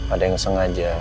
ada yang sengaja